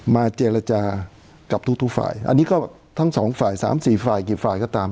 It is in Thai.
เจรจากับทุกฝ่ายอันนี้ก็ทั้งสองฝ่ายสามสี่ฝ่ายกี่ฝ่ายก็ตาม